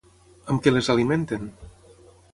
Amb què les alimenten?